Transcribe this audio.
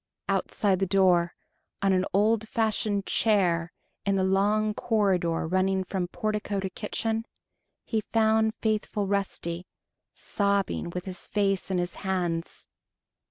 Outside the door, on an old fashioned chair in the long corridor running from portico to kitchen, he found faithful Rusty, sobbing with his face in his hands.